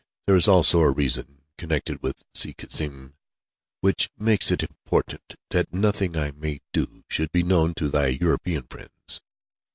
There is also a reason, connected with Si Cassim, which makes it important that nothing I may do should be known to thy European friends.